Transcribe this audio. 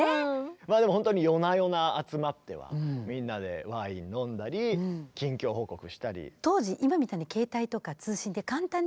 まあでもほんとに夜な夜な集まってはみんなでワイン飲んだり近況報告したり。